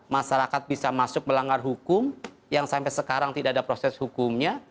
masyarakat bisa masuk melanggar hukum yang sampai sekarang tidak ada proses hukumnya